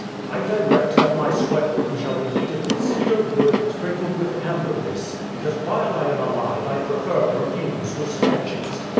I direct that my sweat room shall be heated with cedar wood sprinkled with ambergris, because while I am alive I prefer perfumes to stenches.